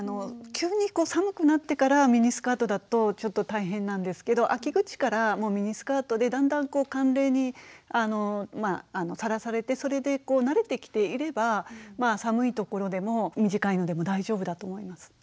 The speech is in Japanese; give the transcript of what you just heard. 急に寒くなってからミニスカートだとちょっと大変なんですけど秋口からもうミニスカートでだんだん寒冷にさらされてそれで慣れてきていれば寒い所でも短いのでも大丈夫だと思います。